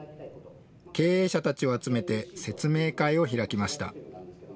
経営者たちを集めて説明会を開きました。